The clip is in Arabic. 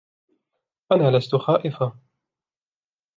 أنا لستُ خائفةً